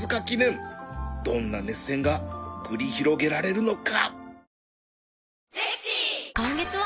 どんな熱戦が繰り広げられるのか